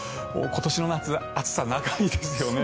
今年の夏、暑さ長いですよね。